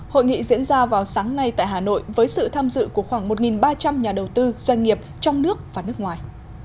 hội nghị diễn ra vào sáng nay tại hà nội với sự tham dự của khoảng một ba trăm linh nhà đầu tư doanh nghiệp trong nước và nước ngoài